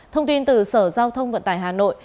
thông tin từ sở giao thông vận tải hà nội